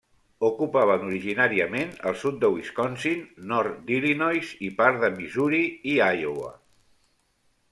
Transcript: Ocupaven originàriament el sud de Wisconsin, Nord d'Illinois i part de Missouri i Iowa.